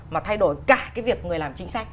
mà thay đổi cả cái việc người làm chính sách